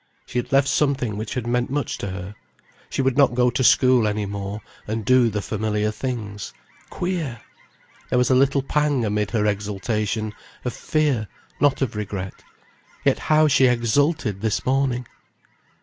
She had left something which had meant much to her. She would not go to school any more, and do the familiar things. Queer! There was a little pang amid her exultation, of fear, not of regret. Yet how she exulted this morning!